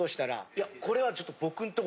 いやこれはちょっと。